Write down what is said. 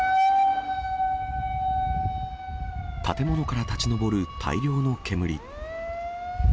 建物から立ち上る大量の煙。